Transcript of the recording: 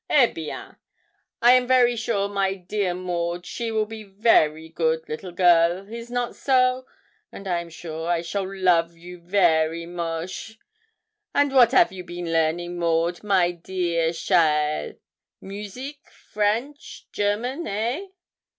Eh bien! I am very sure my dear Maud she will be very good little girl is not so? and I am sure I shall love you vary moche. And what 'av you been learning, Maud, my dear cheaile music, French, German, eh?'